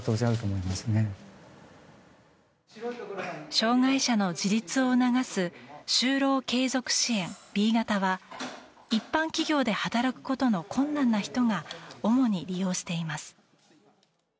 障害者の自立を促す就労継続支援Ｂ型は一般企業で働くことの困難な人が主に利用しています。